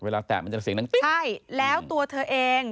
แล้วตัวเธอเอง